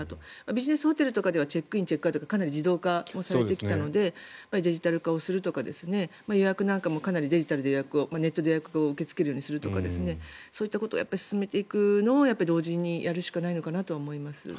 ビジネスホテルとかではチェックイン、チェックアウトもかなり自動化されてきたのでデジタル化をするとか予約なんかもデジタルとかネットで予約を受け付けるようにするとかそういったことを進めていくのを同時にやるしかないと思います。